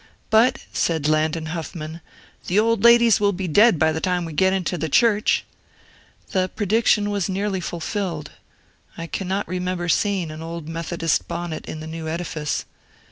'' But," said Landon Huffman, ^^ the old ladies will be dead by the time we get into the church I" The prediction was nearly fulfilled ; I cannot remember seeing an old Methodist bonnet in the new edifice.